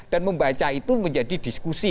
dan membaca itu menjadi diskusi